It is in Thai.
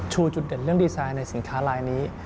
จุดเด่นเรื่องดีไซน์ในสินค้าลายนี้